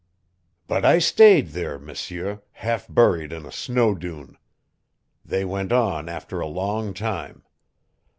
"But I stayed there, M'sieu, half buried in a snow dune. They went on after a long time.